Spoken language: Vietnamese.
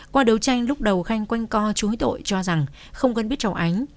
qua đấu tranh lúc đầu khanh quanh co chú ý tội cho rằng không gần biết cháu ánh